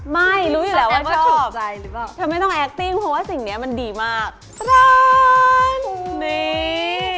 ไม่รู้อยู่แล้วว่าชอบเธอไม่ต้องแอคติ้งเพราะว่าสิ่งนี้มันดีมากประดันนี่